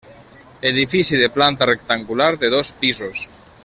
Edifici de planta rectangular de dos pisos.